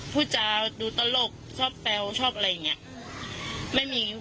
พูดจาดูตลกชอบแซวชอบอะไรอย่างนี้